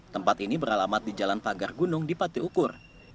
tempat ini beralamat di jalan pagar gunung di patiukur